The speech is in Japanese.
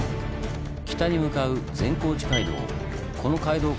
北に向かう善光寺街道。